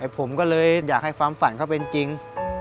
ผมก็เลยอยากให้ความฝันเขาเป็นจริง